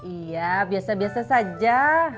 iya biasa biasa saja